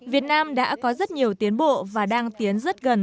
việt nam đã có rất nhiều tiến bộ và đang tiến rất gần